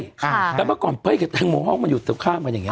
แล้วก็เก่าก่อนเป้ยกับแตงโมห้องมันอยู่ต่อข้ามก็ยังไง